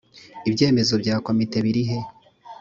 ibyemezo bya komite birihe